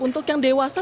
untuk yang dewasa